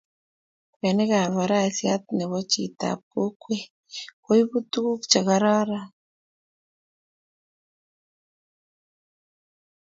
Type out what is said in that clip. kwenik ab farasiat nebo chito ab kokwet koibu tuguk che kararan